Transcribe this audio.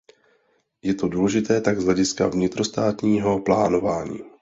Je to důležité tak z hlediska vnitrostátního plánování.